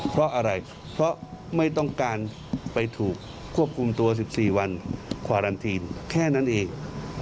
เพราะอะไรเพราะไม่ต้องการไปถูกควบคุมตัว๑๔วันควารันทีนแค่นั้นเอง